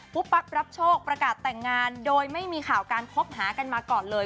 ปั๊กรับโชคประกาศแต่งงานโดยไม่มีข่าวการคบหากันมาก่อนเลย